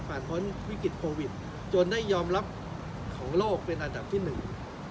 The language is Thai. พ้นวิกฤตโควิดจนได้ยอมรับของโลกเป็นอันดับที่หนึ่ง